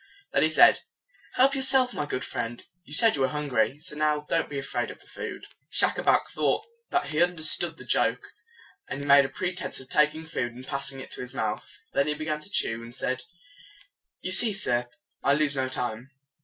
Then he said, "Help yourself, my good friend. You said you were hungry: so, now, don't be afraid of the food." Schacabac thought that he un der stood the joke, and he made pretense of taking food, and passing it to his mouth. Then he began to chew, and said, "You see, sir, I lose no time."